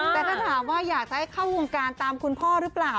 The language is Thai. แต่ถ้าถามว่าอยากจะให้เข้าวงการตามคุณพ่อหรือเปล่า